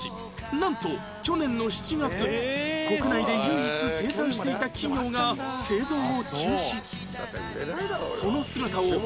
なんと去年の７月国内で唯一生産していた企業が製造を中止